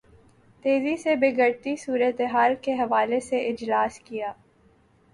تیزی سے بگڑتی صورت حال کے حوالے سے اجلاس کیا